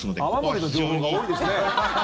泡盛の情報が多いですね。